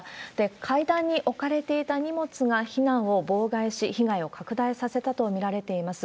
階段に置かれていた荷物が避難を妨害し、被害を拡大させたと見られています。